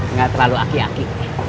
nggak terlalu aki aki